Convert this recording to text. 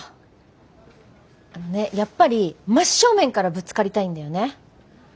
あのねやっぱり真っ正面からぶつかりたいんだよね。